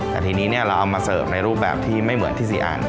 แต่ทีนี้เราเอามาเสิร์ฟในรูปแบบที่ไม่เหมือนที่ซีอ่าน